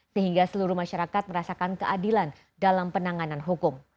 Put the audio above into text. sehingga seluruh masyarakat merasakan keadilan dalam penanganan hukum